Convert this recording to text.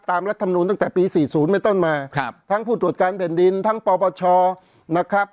ตามรัฐธรรมนูตตั้งแต่ปี๔๐ในต้นมาทั้งผู้ตรวจการเป็นดินทั้งปเบาชนะครับ